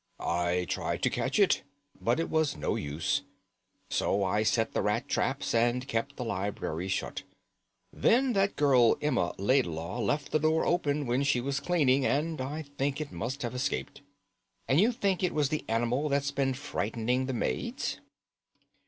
"I tried to catch it, but it was no use. So I set the rat traps and kept the library shut. Then that girl Emma Laidlaw left the door open when she was cleaning, and I think it must have escaped." "And you think it was the animal that's been frightening the maids?"